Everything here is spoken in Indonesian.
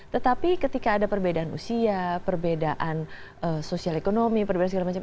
tetapi ketika ada perbedaan usia perbedaan sosial ekonomi perbedaan segala macam